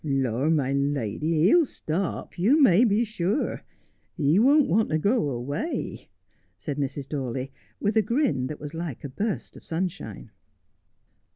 ' Lor, my lady, he'll stop, you may he sure. He won't want to go away,' said Mrs. Dawley, with a grin that was like a burst of sunshine.